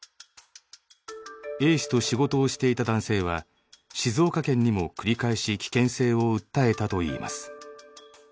Ａ氏と仕事をしていた男性は静岡県にも繰り返し危険性を訴えたといいます。